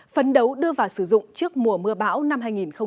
phấn đấu đưa vào sử dụng trước mùa mưa bão năm hai nghìn một mươi chín